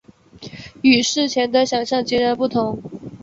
与事前的想像截然不同